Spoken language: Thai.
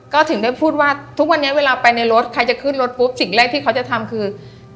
ก็ถึงได้พูดว่าทุกวันนี้เวลาไปในรถใครจะขึ้นรถปุ๊บสิ่งแรกที่เขาจะทำคือ